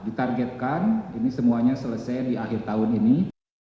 ditargetkan ini semuanya selesai di akhir tahun ini